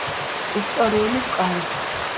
ისტორიული წყარო